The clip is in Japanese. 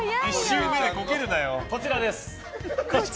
こちらです。